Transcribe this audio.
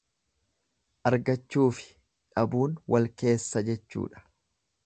Argachuufi dhabuun walkeessa jechuudha.